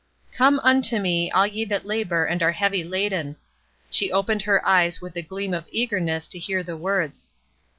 "Come unto me all ye that labor and are heavy laden." She opened her eyes with a gleam of eagerness to hear the words.